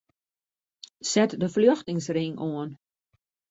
Set de ferljochtingsring oan.